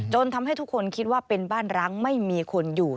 ทำให้ทุกคนคิดว่าเป็นบ้านร้างไม่มีคนอยู่